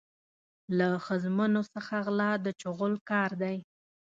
له ښځمنو څخه غلا د چغال کار دی.